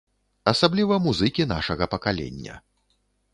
Асабліва музыкі нашага пакалення.